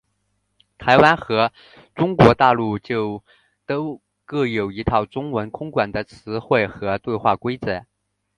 台湾和中国大陆就都各有一套中文空管的词汇和对话规则。